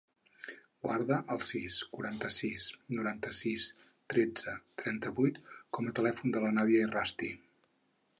Guarda el sis, quaranta-sis, noranta-sis, tretze, trenta-vuit com a telèfon de la Nàdia Errasti.